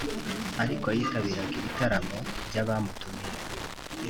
ariko yitabiraga ibitaramo by’abamutumiye